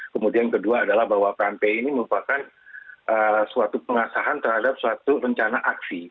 kemudian kedua adalah bahwa kmp ini merupakan suatu pengasahan terhadap suatu rencana aksi